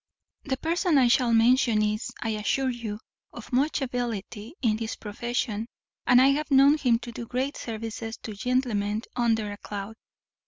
The person I shall mention is, I assure you, of much ability in his profession, and I have known him do great services to gentlemen under a cloud.